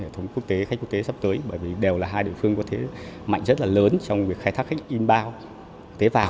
hệ thống quốc tế khách quốc tế sắp tới bởi vì đều là hai địa phương có thể mạnh rất là lớn trong việc khai thác khách inbound tế vào